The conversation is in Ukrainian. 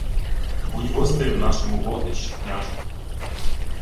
— Будь гостею в нашому вогнищі, княжно.